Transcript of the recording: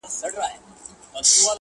او د بت سترگي يې ښې ور اب پاشي کړې,